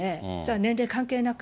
年齢関係なく。